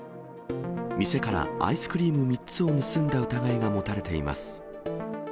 店からアイスクリーム３つを盗んだ疑いが持たれています。